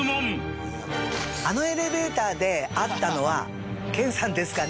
あのエレベーターで会ったのは健さんですカネ？